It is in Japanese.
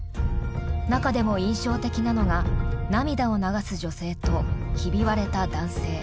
中でも印象的なのが涙を流す女性とひび割れた男性。